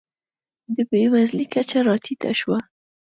د بېوزلۍ کچه راټیټه شوه.